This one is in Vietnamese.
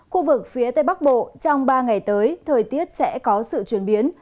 khu vực phía tây bắc bộ trong ba ngày tới thời tiết sẽ có sự chuyển biến